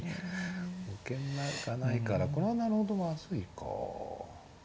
保険なんかないからこれはなるほどまずいか。